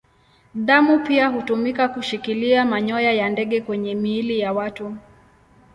Damu pia hutumika kushikilia manyoya ya ndege kwenye miili ya watu.